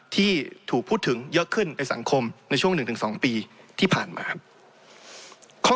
ที่ถูกพูดถึงเยอะขึ้นในสังคมในช่วง๑๒ปีที่ผ่านมาครับ